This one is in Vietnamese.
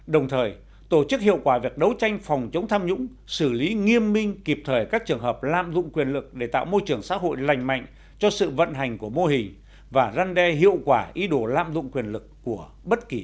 đồng thời tổ chức hiệu quả việc đấu tranh phòng chống tham nhũng xử lý nghiêm minh kịp thời các trường hợp lạm dụng quyền lực để tạo môi trường xã hội lành mạnh cho sự vận hành của mô hình và răn đe hiệu quả ý đồ lạm dụng quyền lực của bất kỳ ai